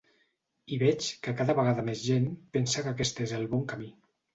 I veig que cada vegada més gent pensa que aquest és el bon camí.